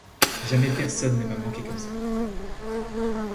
Jamais personne ne m'a manqué comme ça